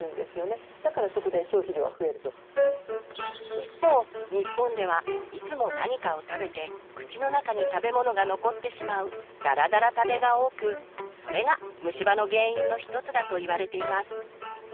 一方日本ではいつも何かを食べて口の中に食べ物が残ってしまう「だらだら食べ」が多くそれが虫歯の原因の一つだと言われています。